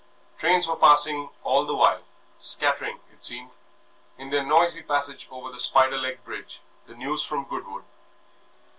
Trains were passing all the while, scattering, it seemed, in their noisy passage over the spider legged bridge, the news from Goodwood.